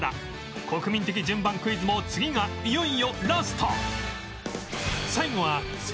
国民的順番クイズも次がいよいよラスト